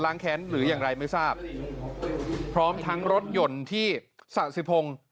แค้นหรืออย่างไรไม่ทราบพร้อมทั้งรถยนต์ที่สะสิพงศ์